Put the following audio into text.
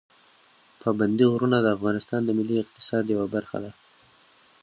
پابندي غرونه د افغانستان د ملي اقتصاد یوه برخه ده.